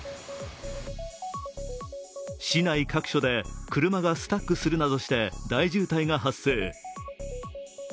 市内各所で車がスタックするなどして大渋滞が発生。